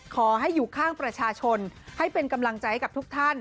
ขอให้อยู่ข้างประชาชนให้เป็นกำลังใจให้กับทุกท่าน